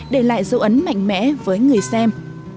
để lại dấu ấn mạnh mẽ với người xem